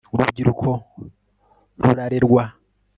urubyiruko rurarerwa